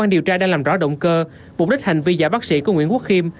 đã đang làm rõ động cơ mục đích hành vi giả bác sĩ của nguyễn quốc kim